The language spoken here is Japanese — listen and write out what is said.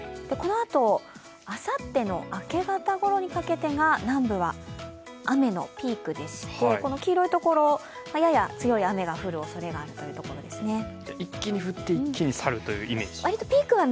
このあとあさっての明け方ごろにかけては南部は雨のピークでして黄色いところ、やや強い雨が降るおそれがあるというところですね。